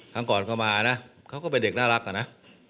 ครั้งก่อนเข้ามานะเขาก็เป็นเด็กน่ารักอะนะ